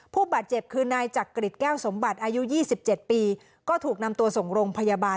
ผู้บาดเจ็บคือนายจักริจแก้วสมบัติอายุ๒๗ปีก็ถูกนำตัวส่งโรงพยาบาล